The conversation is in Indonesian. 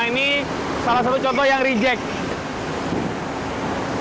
ini salah satu contoh yang reject